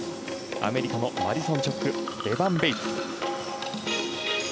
アメリカのマディソン・チョックエバン・ベイツです。